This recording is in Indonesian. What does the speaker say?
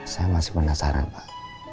saya masih penasaran pak